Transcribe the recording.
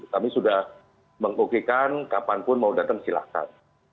kami sudah mengukekan kapanpun mau datang silahkan